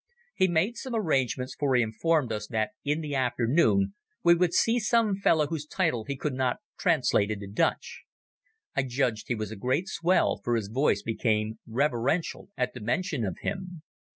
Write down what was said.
He made some arrangements, for he informed us that in the afternoon we would see some fellow whose title he could not translate into Dutch. I judged he was a great swell, for his voice became reverential at the mention of him.